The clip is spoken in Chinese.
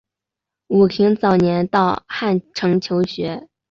武亭早年到汉城求学。